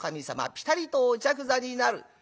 ぴたりとお着座になる。